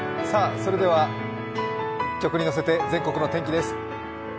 それでは曲にのせて全国の天気です。